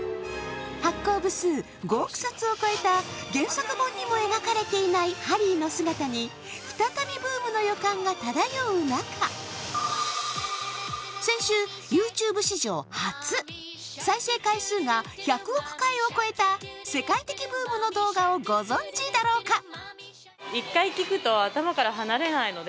発行部数５億冊を超えた原作本にも描かれていないハリーの姿に再びブームの予感が漂う中、先週、ＹｏｕＴｕｂｅ史上初、再生回数が１００億回を超えた世界的ブームの動画をご存じだろうか。